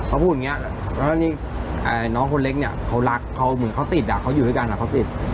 เขาพูดอย่างนี้แล้วนี่น้องคนเล็กเนี่ยเขารักเขาเหมือนเขาติดอ่ะเขาอยู่ด้วยกันเขาติด